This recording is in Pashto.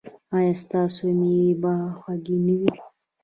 ایا ستاسو میوې به خوږې نه وي؟